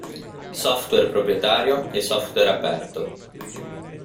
Software proprietario e software aperto.